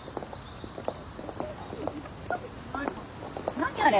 何あれ？